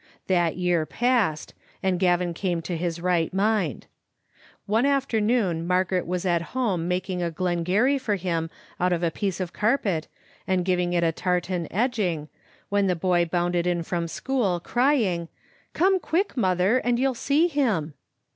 " That year passed, and Gavin came to his right mind. One afternoon Margaret was at home making a glen garry for him out of a piece of carpet, and giving it a tartan edging, when the boy bounded in from school, crying, "Come quick, mother, and you'll see him."